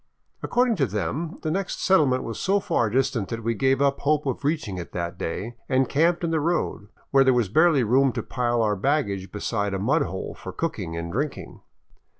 Ac cording to them, the next settlement was so far distant that we gave up hope of reaching it that day and camped in the road, where there was barely room to pile our baggage beside a mud hole for cooking and drinking.